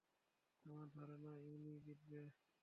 আমার ধারণা, উনিই জিতবেন।